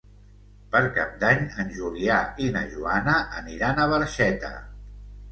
Per Cap d'Any en Julià i na Joana aniran a Barxeta.